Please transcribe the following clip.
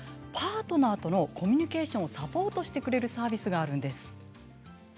パートナーとのコミュニケーションをサポートしてくれるサービスがあるんです。